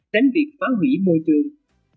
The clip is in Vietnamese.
đến việc phá hủy môi trường